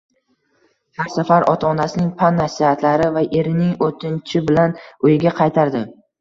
Har safar ota-onasining pand-nasihatlari va erining o`tinchi bilan uyiga qaytardi